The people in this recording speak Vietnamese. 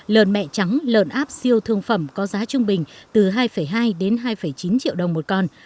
lợn mẹ trắng lợn áp siêu thương phẩm có giá trung bình từ hai hai đến hai chín triệu đồng một con